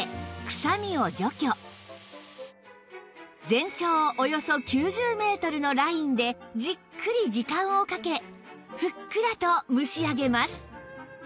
全長およそ９０メートルのラインでじっくり時間をかけふっくらと蒸し上げます